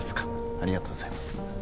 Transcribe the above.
ありがとうございます。